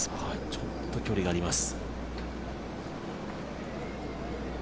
ちょっと距離があります。